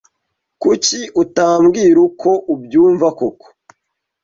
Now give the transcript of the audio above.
Kuki utabwira uko ubyumva koko?